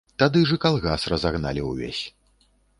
Тады ж і калгас разагналі ўвесь.